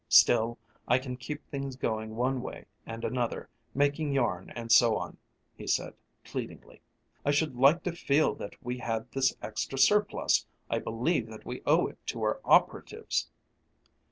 Still, I can keep things going one way and another, making yarn and so on," he said pleadingly. "I should like to feel that we had this extra surplus. I believe that we owe it to our operatives."